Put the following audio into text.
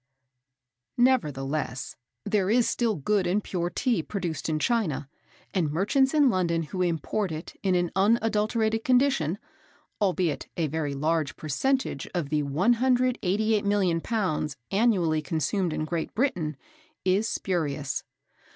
"Nevertheless, there is still good and pure Tea produced in China, and merchants in London who import it in an unadulterated condition, albeit a very large per centage of the 188,000,000 lbs. annually consumed in Great Britain is spurious.